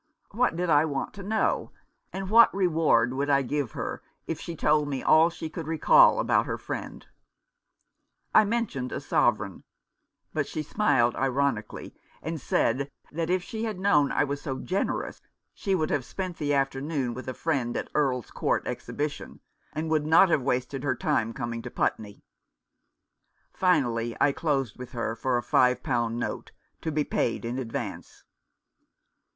What did I want to know, and what reward would I give her if she told me all she could recall about her friend ? I mentioned a sovereign ; but she smiled ironi cally, and said if she had known I was so generous she would have spent the afternoon with a friend at Earl's Court Exhibition, and would not have wasted her time coming to Putney. Finally I closed with her for a five pound note, to be paid in advance.